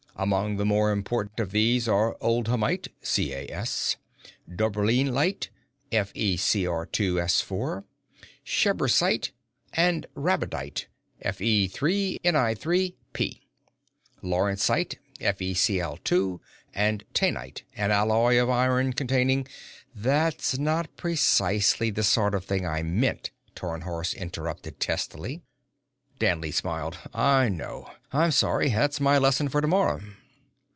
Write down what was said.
Among the more important of these are: Oldhamite (CaS); Daubréelite (FECr_S_); Schreibersite and Rhabdite (Fe_Ni_P); Lawrencite (FeCl_); and Taenite, an alloy of iron containing " "That's not precisely the sort of thing I meant," Tarnhorst interrupted testily. Danley smiled. "I know. I'm sorry. That's my lesson for tomorrow."